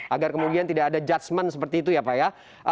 agar kemudian tidak ada judgement seperti itu ya pak ya